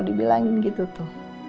dibilangin gitu tuh